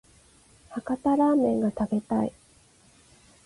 博多ラーメンが食べたい